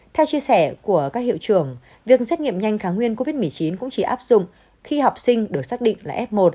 theo chia sẻ của các hiệu trường việc xét nghiệm nhanh kháng nguyên covid một mươi chín cũng chỉ áp dụng khi học sinh được xác định là f một